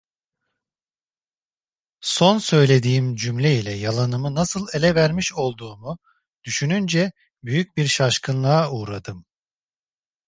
Son söylediğim cümle ile yalanımı nasıl ele vermiş olduğumu düşününce büyük bir şaşkınlığa uğradım.